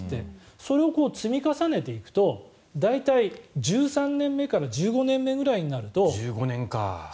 それを積み重ねていくと大体１３年目から１５年目くらいになると。